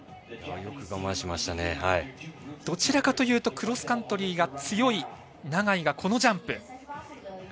どちらかというとクロスカントリーが強い永井がこのジャンプ。